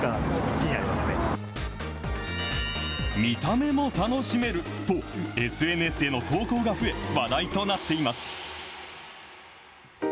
見た目も楽しめると、ＳＮＳへの投稿が増え、話題となっています。